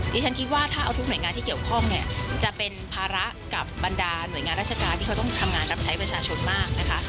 ดิฉันคิดว่าถ้าเอาทุกหน่วยงานที่เกี่ยวข้องเนี่ยจะเป็นภาระกับบรรดาหน่วยงานราชการที่เขาต้องทำงานรับใช้ประชาชนมากนะคะ